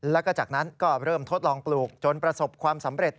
แล้วก็จากนั้นก็เริ่มทดลองปลูกจนประสบความสำเร็จ